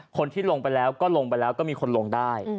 คนที่ลงไปแล้วก็ลงไปแล้วก็มีคนลงได้